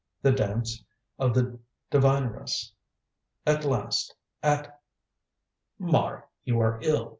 The Dance of the Divineress! At last. At " "Mara, you are ill!"